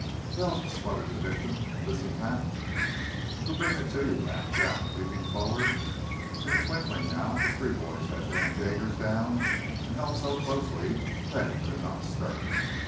"He help!" sputtered the victim of this attack. "We're bringing it to you," laughed Jack, leaping forward. In a twinkling, now, the three boys had Dan Jaggers down, and held so closely that he could not stir.